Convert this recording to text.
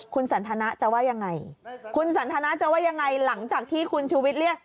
คุณสันทนะจะว่ายังไงคุณสันทนาจะว่ายังไงหลังจากที่คุณชูวิทย์เรียก